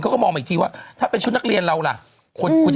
ก็มองอีกทีว่าถ้าชุดนักเรียนเราล่ะคนคิด